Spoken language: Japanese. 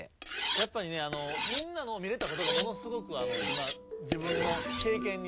やっぱりねみんなのを見れたことがものすごく今自分のけいけんになった。